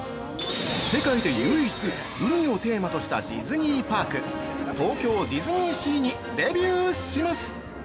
世界で唯一「海」をテーマとしたディズニーパーク、東京ディズニーシーにデビューします！